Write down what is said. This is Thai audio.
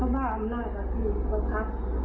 ก็อมมาอาทิตย์สะพัดค่ะ